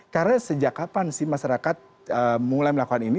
karena sejak kapan sih masyarakat mulai melakukan ini